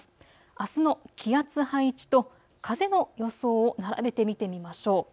あすの気圧配置と風の予想を並べて見てみましょう。